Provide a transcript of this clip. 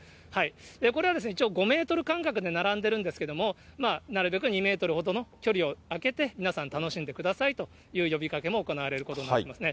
これはですね、一応５メートル間隔で並んでるんですけれども、なるべく２メートルほどの距離を空けて、皆さん、楽しんでくださいという呼びかけも行われることになってますね。